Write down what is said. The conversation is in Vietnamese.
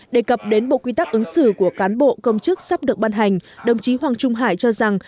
đề cập đến bộ quy tắc ứng xử của cán bộ công chức sắp được ban hành đồng chí hoàng trung hải cho rằng